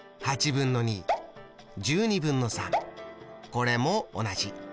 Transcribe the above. これも同じ。